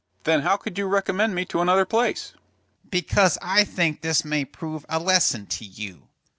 "Then how could you recommend me to another place?" "Because I think this may prove a lesson to you.